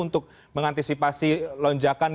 untuk mengantisipasi lonjakan